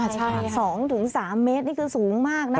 ใช่สองถึงสามเมตรนี่คือสูงมาก